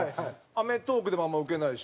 『アメトーーク』でもあんまウケないし。